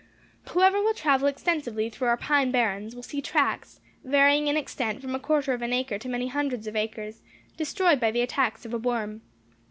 Whoever will travel extensively through our pine barrens, will see tracts, varying in extent from a quarter of an acre to many hundreds of acres, destroyed by the attacks of a worm.